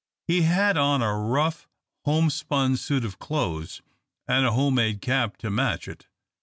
He had on a rough homespun suit of clothes, and a home made cap to match it.